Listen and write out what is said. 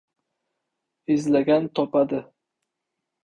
• Izlagan topadi.